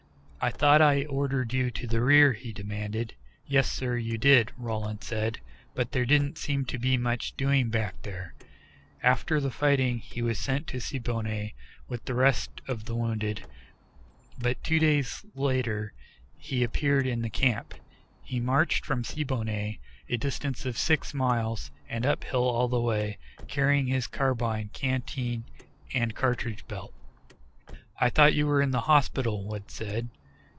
"I thought I ordered you to the rear," he demanded. "Yes, sir, you did," Rowland said, "but there didn't seem to be much doing back there." After the fight he was sent to Siboney with the rest of the wounded, but two days later he appeared in camp. He had marched from Siboney, a distance of six miles, and uphill all the way, carrying his carbine, canteen, and cartridge belt. "I thought you were in hospital," Wood said.